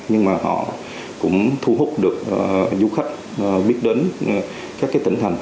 nhưng mà họ cũng thu hút được du khách biết đến các cái tỉnh thành